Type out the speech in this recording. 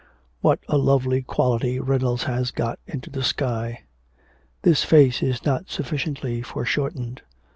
'What a lovely quality Reynolds has got into the sky! ... This face is not sufficiently foreshortened.